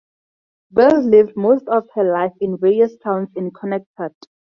Bertin lived most of her life in various towns in Connecticut.